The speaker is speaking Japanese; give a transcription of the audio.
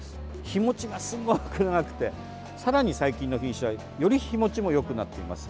日もちが、すごく長くてさらに最近の品種はより、日もちもよくなっています。